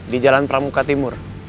di jalan pramuka timur